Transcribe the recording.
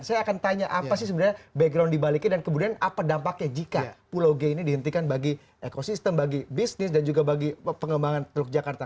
saya akan tanya apa sih sebenarnya background dibaliknya dan kemudian apa dampaknya jika pulau g ini dihentikan bagi ekosistem bagi bisnis dan juga bagi pengembangan teluk jakarta